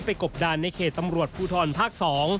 กบดานในเขตตำรวจภูทรภาค๒